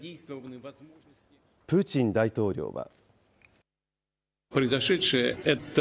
プーチン大統領は。